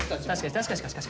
確かに確かに。